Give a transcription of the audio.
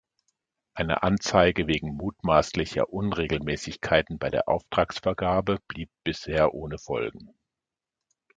Eine Anzeige wegen mutmaßlicher Unregelmäßigkeiten bei der Auftragsvergabe blieb bisher ohne Folgen.